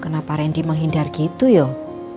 kenapa ren di menghindar gitu yuk